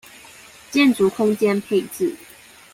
建築空間配置